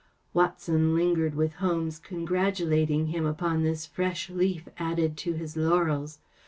Watson lingered with Holmes, congratulating him upon this fresh leaf added to his laurels.